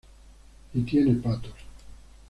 Y tiene patos.